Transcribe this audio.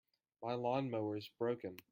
My lawn-mower is broken.